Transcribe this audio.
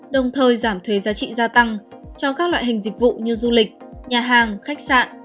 đồng thời giảm thuế giá trị gia tăng cho các loại hình dịch vụ như du lịch nhà hàng khách sạn